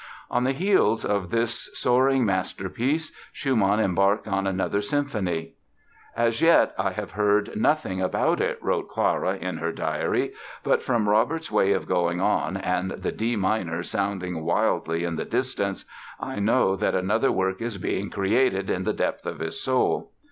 On the heels of this soaring masterpiece Schumann embarked on another symphony. "As yet I have heard nothing about it", wrote Clara in her diary, "but from Robert's way of going on and the D minor sounding wildly in the distance, I know that another work is being created in the depth of his soul".